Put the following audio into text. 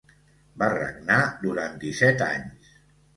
Va regnar durant disset anys.